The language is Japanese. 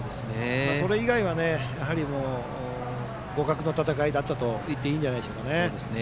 それ以外は互角の戦いだったと言っていいんじゃないでしょうか。